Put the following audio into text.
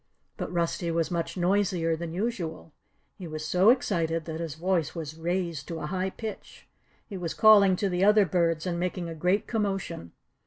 But Rusty was much noisier than usual. He was so excited that his voice was raised to a high pitch. He was calling to the other birds and making a great commotion.